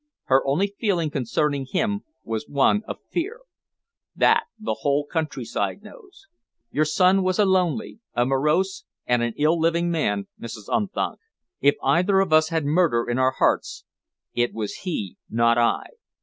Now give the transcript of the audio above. Her only feeling concerning him was one of fear; that the whole countryside knows. Your son was a lonely, a morose and an ill living man, Mrs. Unthank. If either of us had murder in our hearts, it was he, not I.